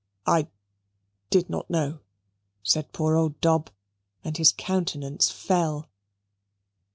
"I did not know," said poor old Dob, and his countenance fell.